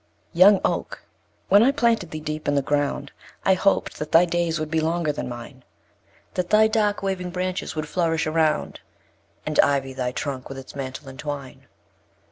Young Oak! when I planted thee deep in the ground, I hoped that thy days would be longer than mine; That thy dark waving branches would flourish around, And ivy thy trunk with its mantle entwine.